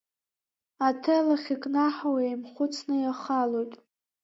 Аҭел ахьыкнаҳау еимхәыцны иахалоит.